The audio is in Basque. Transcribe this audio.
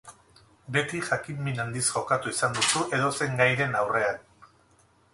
Beti jakinmin handiz jokatu izan duzu edozein gairen aurrean.